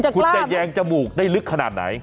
คุณจะแยงจมูกได้ลึกขนาดไหน